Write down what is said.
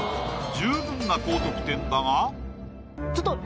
十分な高得点だが。